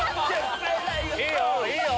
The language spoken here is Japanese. いいよ！